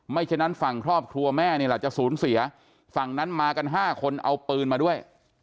ไม่เฉพานั้นฝั่งครอบครัวแม่เนี่ยละจะศูนย์เสียฝั่งนั้นมากันห้าคนเอาปืนมาด้วย